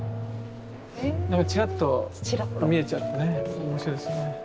なんかチラッと見えちゃってね面白いですね。